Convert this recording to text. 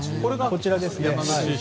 こちらですね。